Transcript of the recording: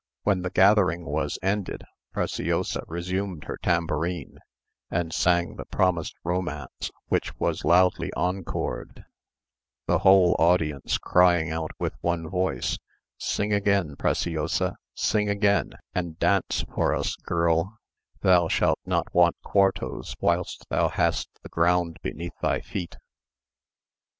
When the gathering was ended, Preciosa resumed her tambourine, and sang the promised romance, which was loudly encored, the whole audience crying out with one voice, "Sing again, Preciosa, sing again, and dance for us, girl: thou shalt not want quartos, whilst thou hast the ground beneath thy feet."